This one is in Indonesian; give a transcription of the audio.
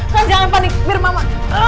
kan jangan panik biar mama